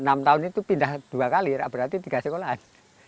enam tahun itu pindah dua kali berarti tiga sekolahan